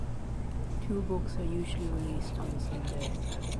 Two books are usually released on the same day.